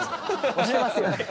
押してますよ。